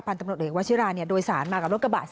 พันธุ์ตำรวจเอกวัชิราเนี่ยโดยสารมากับรถกระบะ